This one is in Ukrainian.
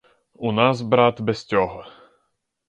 У нас, брат, без цього.